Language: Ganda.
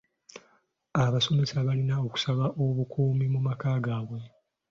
Abasomesa balina okusaba obukuumi mu maka gaabwe.